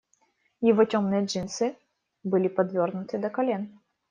Его темные джинсы были подвёрнуты до колен.